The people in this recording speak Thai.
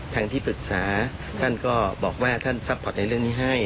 ทางที่ปรึกษาท่านก็บอกว่าท่านซัพพอร์ตในเรื่องนี้ให้